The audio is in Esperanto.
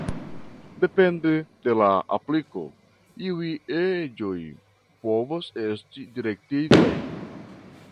Depende de la apliko, iuj eĝoj povas esti direktitaj.